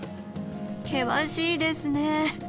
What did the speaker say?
険しいですね。